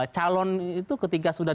calon itu ketika sudah